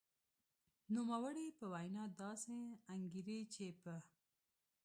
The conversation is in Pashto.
نوموړې په وینا داسې انګېري چې په